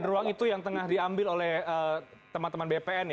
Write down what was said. dan ruang itu yang tengah diambil oleh teman teman bpn